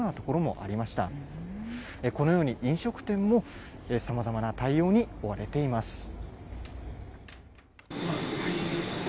このように飲食店もさまざまな対応に追われています。